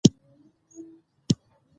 ماشومان د لوبو ترڅنګ زده کړه هم کوي